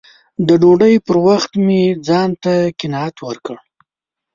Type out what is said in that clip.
د ډوډۍ پر وخت مې ځان ته قناعت ورکړ